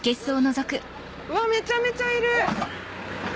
うわっめちゃめちゃいる！